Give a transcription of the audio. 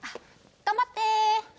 頑張って！